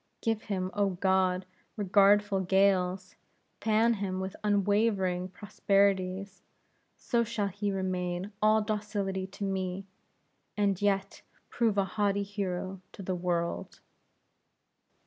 Give him, O God, regardful gales! Fan him with unwavering prosperities! So shall he remain all docility to me, and yet prove a haughty hero to the world!"